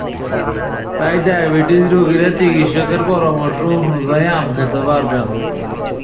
তাই ডায়াবেটিস রোগীরা চিকিৎসকের পরামর্শ অনুযায়ী আম খেতে পারবেন।